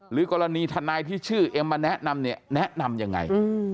กรณีทนายที่ชื่อเอ็มมาแนะนำเนี่ยแนะนำยังไง